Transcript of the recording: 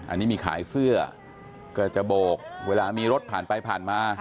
อันนี้มีขายเสื้อก็จะโบกเวลามีรถผ่านไปผ่านมา